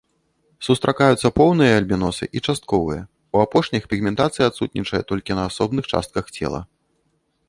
Сустракаюцца поўныя альбіносы і частковыя, у апошніх пігментацыя адсутнічае толькі на асобных частках цела.